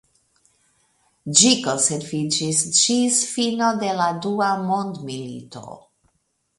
Ĝi konserviĝis ĝis fino de la dua mondmilito.